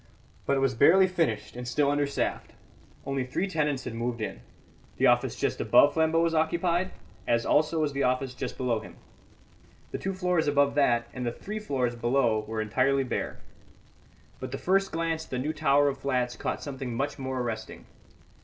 But it was barely finished and still understaffed; only three tenants had moved in; the office just above Flambeau was occupied, as also was the office just below him; the two floors above that and the three floors below were entirely bare. But the first glance at the new tower of flats caught something much more arresting.